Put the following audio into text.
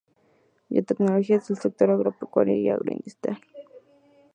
Biotecnología en el Sector Agropecuario y Agroindustria.